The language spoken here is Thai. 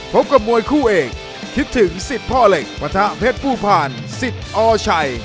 พบกับมวยคู่เอกคิดถึงสิบพ่อเหล็กปะทะเพชรผู้ผ่านสิทธิ์อชัย